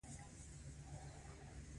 بل خوا د کارګرانو د مزد کموالی دی